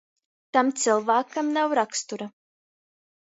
Tam cylvākam nav rakstura.